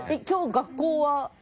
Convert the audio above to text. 今日学校は？